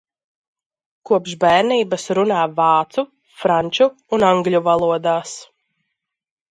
Kopš bērnības runā vācu, franču un angļu valodās.